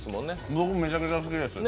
僕、めちゃめちゃ好きです。